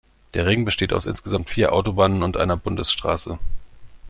Der Ring besteht aus insgesamt vier Autobahnen und einer Bundesstraße.